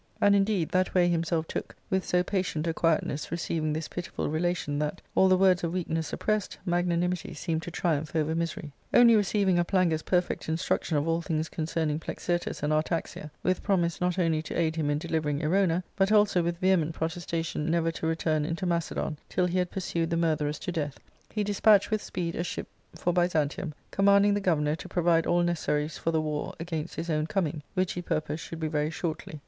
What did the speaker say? And, indeed, that way himself took, with so patient a quietness receiving this pitiful relation that, all the words of weakness suppressed, magnanimity seemed to triumph over misery. Only receiving of Plangus perfect instruction of all things concerning Plexirtus and Artaxia, with promise not only to aid him in delivering Erona, but also with vehement protes tation never to return into Macedon till he had pursued the murtherers to death, he despatched with speed a ship for By zantium, commanding the governor to provide all necessaries for the war against his own coming, which he purposed should be very shortly.